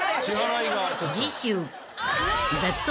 ［次週］